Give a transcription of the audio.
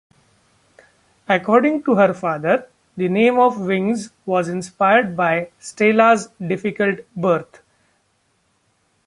According to her father, the name of Wings was inspired by Stella's difficult birth.